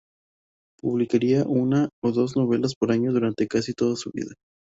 Publicaría una o dos novelas por año durante casi toda su vida.